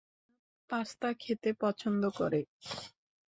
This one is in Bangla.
টিনা পাস্তা খেতে পছন্দ করে।